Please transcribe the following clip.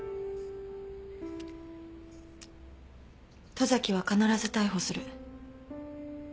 十崎は必ず逮捕する。